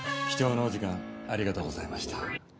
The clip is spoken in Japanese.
貴重なお時間ありがとうございました。